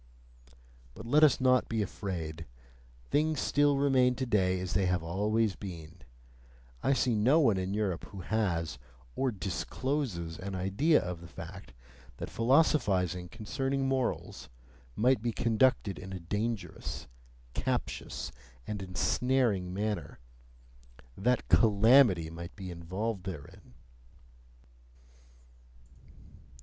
But let us not be afraid! Things still remain today as they have always been: I see no one in Europe who has (or DISCLOSES) an idea of the fact that philosophizing concerning morals might be conducted in a dangerous, captious, and ensnaring manner that CALAMITY might be involved therein.